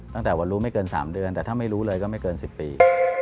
ตั้งแต่วันรู้ไม่เกิน๓เดือนแต่ถ้าไม่รู้เลยก็ไม่เกิน๑๐ปี